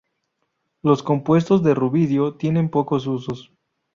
Los compuestos de rubidio tienen pocos usos.